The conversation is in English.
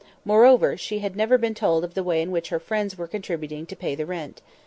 Moreover, she had never been told of the way in which her friends were contributing to pay the rent.